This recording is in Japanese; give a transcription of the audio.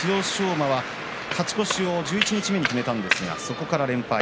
馬は勝ち越しを十一日目に決めたんですがそこから連敗。